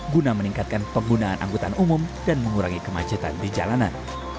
guna meningkatkan penggunaan angkutan umum dan mengurangi kemacetan di jalanan